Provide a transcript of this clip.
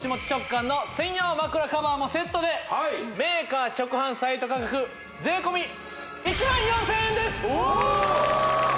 モチモチ触感の専用枕カバーもセットでメーカー直販サイト価格税込１４０００円ですおお！